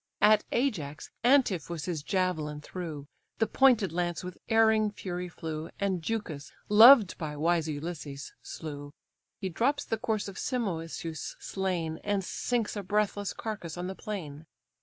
At Ajax, Antiphus his javelin threw; The pointed lance with erring fury flew, And Leucus, loved by wise Ulysses, slew. He drops the corpse of Simoisius slain, And sinks a breathless carcase on the plain.